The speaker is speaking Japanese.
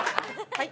はい。